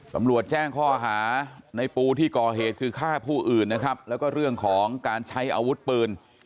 ตำรวจแจ้งข้อหาในปูที่ก่อเหตุคือฆ่าผู้อื่นนะครับแล้วก็เรื่องของการใช้อาวุธปืน